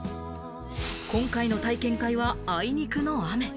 今回の体験会は、あいにくの雨。